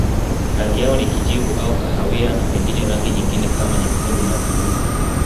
Rangi yao ni kijivu au kahawia na pengine rangi nyingine kama nyekundu na buluu.